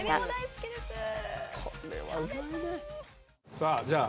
さあじゃあ